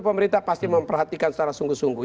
pemerintah pasti memperhatikan secara sungguh sungguh